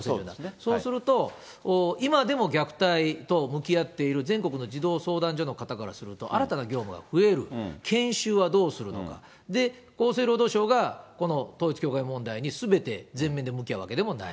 そうすると、今でも虐待と向き合っている全国の児童相談所の方からすると、新たな業務が増える、研修はどうするのか、厚生労働省がこの統一教会問題にすべて全面で向き合うわけでもない。